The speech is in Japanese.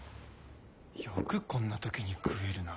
よくこんな時に食えるな。